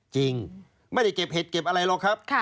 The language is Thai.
จริงไม่ได้เก็บเห็ดเก็บอะไรหรอกครับ